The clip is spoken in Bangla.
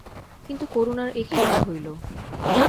কিন্তু করুণার একি দায় হইল।